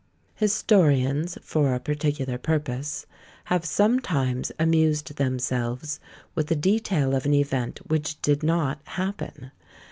Historians, for a particular purpose, have sometimes amused themselves with a detail of an event which did not happen.